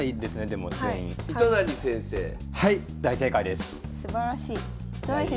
すばらしい。